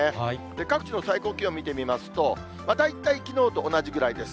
各地の最高気温見てみますと、大体きのうと同じぐらいです。